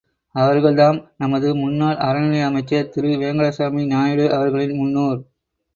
அவர்கள் தாம் நமது முன்னாள் அறநிலைய அமைச்சர் திரு வேங்கடசாமி நாயுடு அவர்களின் முன்னோர்.